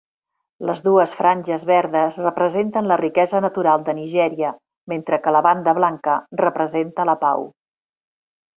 Les dues franges verdes representen la riquesa natural de Nigèria, mentre que la banda blanca representa la pau.